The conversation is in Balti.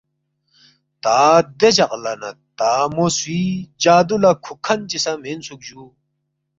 تا دے جق لہ نہ تا مو سُوی جادُو لہ کُھوک کھن چی سہ مینسُوک جُو